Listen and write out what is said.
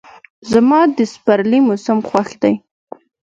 زما د سپرلي موسم خوښ دی.